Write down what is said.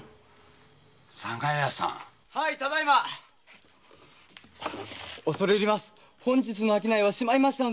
はいただいま。